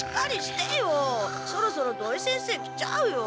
そろそろ土井先生来ちゃうよ。